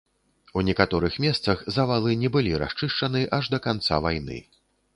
У некаторых месцах завалы не былі расчышчаны аж да канца вайны.